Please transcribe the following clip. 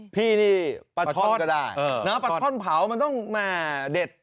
พี่นี่ปลาช่อนก็ได้นะปลาช่อนเผามันต้องแม่เด็ด